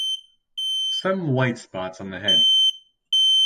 Some white spots on the head.